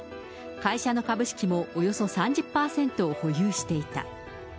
会社の株式もおよそ３０％を保有していた。